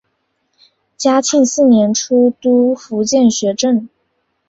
嘉庆四年出督福建学政。